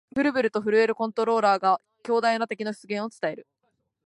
ブルブルと震えるコントローラーが、強大な敵の出現を伝える